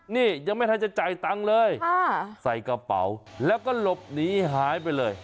นี่ยังไม่ทันจะจ่ายตังค์เลยใส่กระเป๋าแล้วก็หลบหนีหายไปเลย